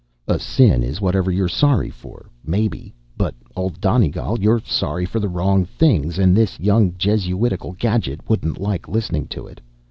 A sin is whatever you're sorry for, maybe. But Old Donegal, you're sorry for the wrong things, and this young jesuitical gadget wouldn't like listening to it.